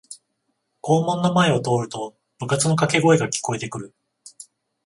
校門の前を通ると部活のかけ声が聞こえてくる